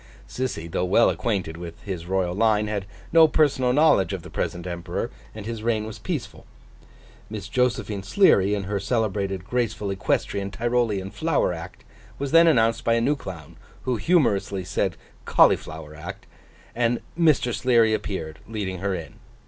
Sissy, though well acquainted with his Royal line, had no personal knowledge of the present Emperor, and his reign was peaceful. Miss Josephine Sleary, in her celebrated graceful Equestrian Tyrolean Flower Act, was then announced by a new clown (who humorously said Cauliflower Act), and Mr. Sleary appeared, leading her in.